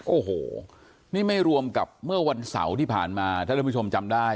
โอ้โหนี่ไม่รวมกับเมื่อวันเสาร์ที่ผ่านมาถ้าท่านผู้ชมจำได้